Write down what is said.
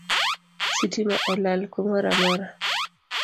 Sitima olal kumoramora